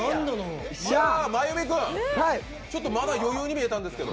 真弓君、まだ余裕に見えたんですけど。